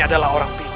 adalah orang pintar